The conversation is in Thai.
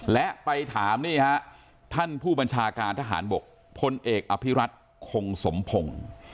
และไปถามนี่ฮะท่านผู้บัญชาการทหารบกพลเอกอภิรัตคงสมพงศ์